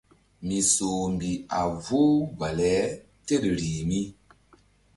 Misoh mbih a vohu bale tel rih mi.